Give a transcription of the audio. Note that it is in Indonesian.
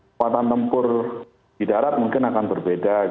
kekuatan tempur di darat mungkin akan berbeda